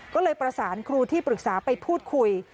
ก็เลยประสานครูที่ปรึกษาไปพูดคุย